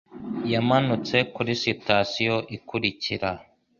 Yamanutse kuri sitasiyo ikurikira